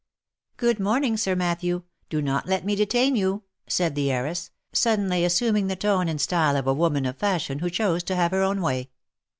" Good morning, Sir Matthew, do not let me detain you," said the heiress, suddenly assuming the tone and style of a woman of fashion who chose to have her own way.